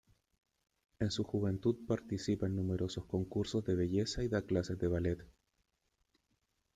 En su juventud participa en numerosos concursos de belleza y da clases de ballet.